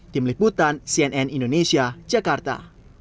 tim liputan cnn indonesia jakarta